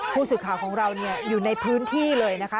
ผู้สื่อข่าวของเราอยู่ในพื้นที่เลยนะคะ